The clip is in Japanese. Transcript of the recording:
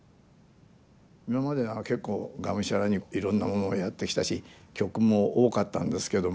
今までは結構がむしゃらにいろんなものをやってきたし曲も多かったんですけども。